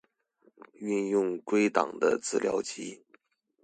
運用歸檔的資料集